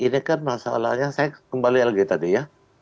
ini kan masalahnya saya kembali lagi tadi ya